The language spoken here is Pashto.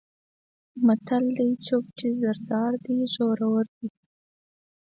متل دی: څوک چې زر دار دی زورور دی.